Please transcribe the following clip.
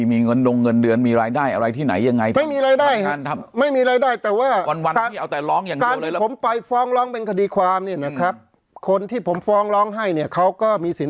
มีลงเงินเดือนมีรายได้อะไรที่ไหนอย่างไร